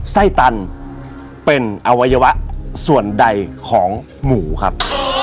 ไส้ตันเป็นอวัยวะส่วนใดของหมูครับ